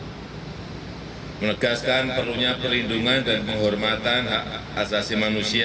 dan menegaskan perlunya perlindungan dan penghormatan hikmat asasi manusia